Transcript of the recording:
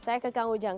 saya ke kang ujang